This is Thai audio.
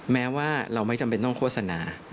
แม้ว่าเราไม่จำเป็นต้องโฆษณา